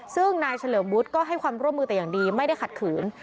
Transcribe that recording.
ซึ่งนายเฉลิมวุฒิก็ให้ความร่วมมือแต่อย่างดีไม่ได้ขัดขืน